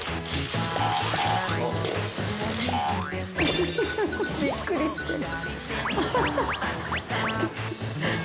フフフびっくりしてる。